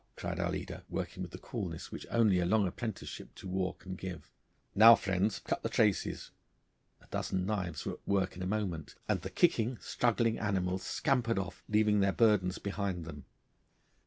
cried our leader, working with the coolness which only a long apprenticeship to war can give. 'Now, friends, cut the traces!' A dozen knives were at work in a moment, and the kicking, struggling animals scampered off, leaving their burdens behind them.